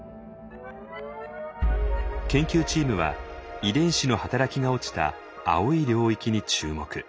研究チームは遺伝子の働きが落ちた青い領域に注目。